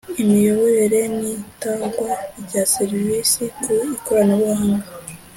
imiyoborere n’itangwa rya serivisi ku ikoranabuhanga